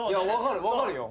分かるよ。